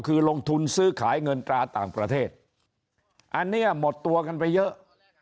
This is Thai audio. คือลงทุนซื้อขายเงินตราต่างประเทศอันนี้หมดตัวกันไปเยอะ